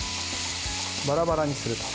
バラバラにする。